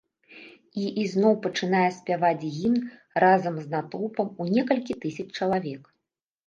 І ізноў пачынае спяваць гімн разам з натоўпам у некалькі тысяч чалавек.